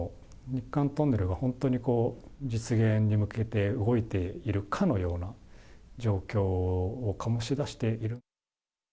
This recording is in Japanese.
日韓トンネルが本当に実現に向けて動いているかのような状況を醸し出している。